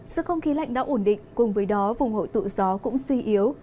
do không khí lạnh đã ổn định cùng với đó vùng hội tụ gió cũng suy yếu